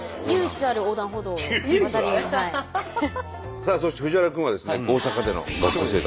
さあそして藤原君はですね大阪での学校生活。